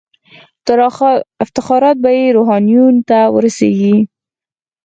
افتخارات یې روحانیونو ته ورسیږي.